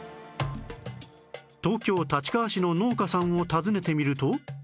東京立川市の農家さんを訪ねてみると